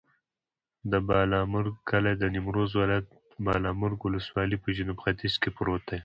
د بالامرګ کلی د نیمروز ولایت، بالامرګ ولسوالي په جنوب ختیځ کې پروت دی.